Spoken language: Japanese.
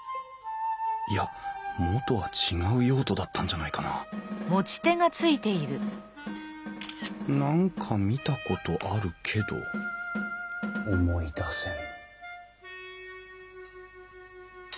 いや元は違う用途だったんじゃないかな何か見たことあるけど思い出せん。